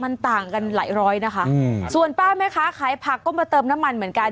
มันต่างกันหลายร้อยนะคะอืมส่วนป้าแม่ค้าขายผักก็มาเติมน้ำมันเหมือนกัน